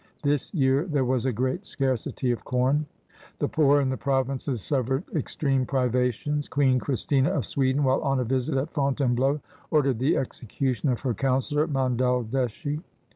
This year there was a great scarcity of corn. The poor in the provinces suffered extreme privations. Queen Christina, of Sweden, while on a visit at Fontainebleau, ordered the execution of her counsellor Monaldeschi.